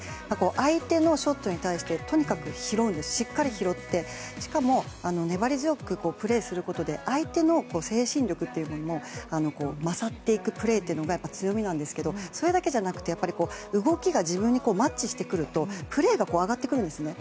相手のショットに対してとにかく拾うしっかり拾ってしかも粘り強くプレーすることで相手の精神力というものに勝っていくプレーが強みなんですけどそれだけじゃなくて動きが自分にマッチしてくるとプレーが上がってくるんですね。